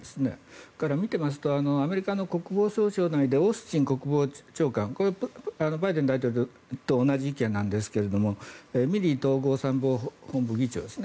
それから見ていますとアメリカの国防総省内でオースティン国防長官これはバイデン大統領と同じ意見なんですがミリー統合参謀本部議長ですね。